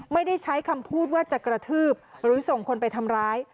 ไม่ได้ใช้คำพูดว่าจะกระทืบหรือส่งคนไปทำร้าย